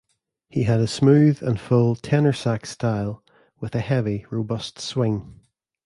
He had a smooth and full tenor sax style with a heavy robust swing.